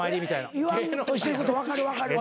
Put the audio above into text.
言わんとしてること分かる分かる。